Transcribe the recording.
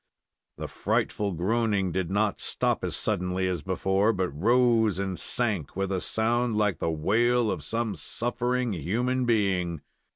The frightful groaning did not stop as suddenly as before, but rose and sank, with a sound like the wail of some suffering human being.